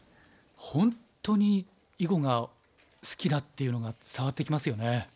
本当に囲碁が好きだっていうのが伝わってきますよね。